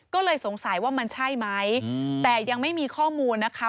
ก็เลยสงสัยว่ามันใช่ไหมแต่ยังไม่มีข้อมูลนะคะ